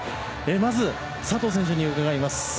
まず、佐藤選手に伺います。